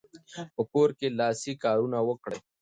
په کور کې لاسي کارونه وکړئ.